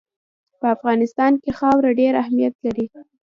په افغانستان کې خاوره ډېر اهمیت لري.